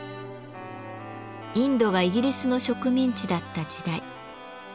インドがイギリスの植民地だった時代。